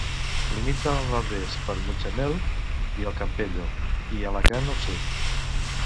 Limita al nord-est per Mutxamel i el Campello i Alacant al sud.